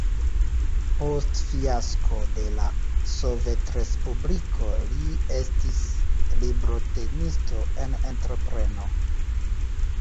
Post fiasko de la Sovetrespubliko li estis librotenisto en entrepreno.